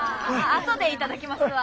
あ後で頂きますわ。